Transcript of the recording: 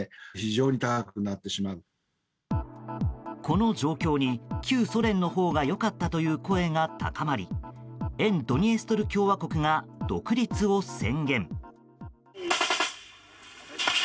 この状況に、旧ソ連の方が良かったという声が高まり沿ドニエストル共和国が独立を宣言。